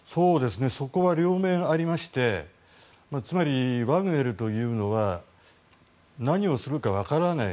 そこは両面ありましてつまり、ワグネルというのは何をするか分からない